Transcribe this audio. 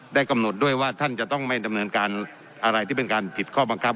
กำหนดด้วยว่าท่านจะต้องไม่ดำเนินการอะไรที่เป็นการผิดข้อบังคับ